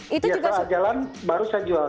setelah jalan baru saya jual